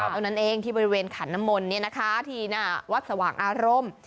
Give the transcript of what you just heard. เอานั้นเองที่บริเวณขันนมนต์เนี่ยนะคะที่นาวัดสว่างอารมณ์